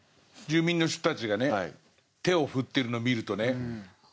住民の人たちがね手を振ってるのを見るとね